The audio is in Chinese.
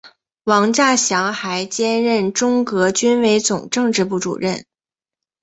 王稼祥还兼任中革军委总政治部主任。